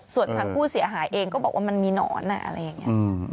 ส่วนทางผู้เสียหายเองก็บอกว่ามันมีหนอนอะไรอย่างนี้